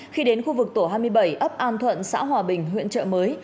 khi đến khu vực tổ hai mươi bảy ấp an thuận xã hòa bình huyện trợ mới